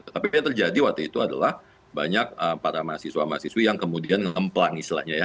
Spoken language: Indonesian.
tapi yang terjadi waktu itu adalah banyak para mahasiswa mahasiswa yang kemudian nge mplang istilahnya